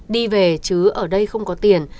đi về chứ ở đây không có tiền